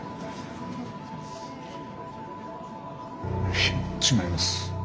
いえ違います。